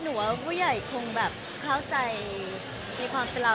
หรือว่าผู้ใหญ่คงแบบเข้าใจในความเป็นเรา